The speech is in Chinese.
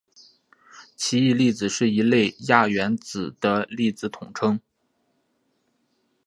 奇异粒子是一类亚原子粒子的统称。